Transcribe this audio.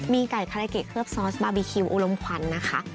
มีไก่คาราเกะเคลือบซอสบาร์บีคิวอุลมควันนะคะ